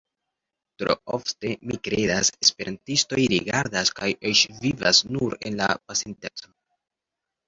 Tro ofte, mi kredas, esperantistoj rigardas kaj eĉ vivas nur en la pasinteco.